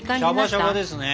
シャバシャバですね。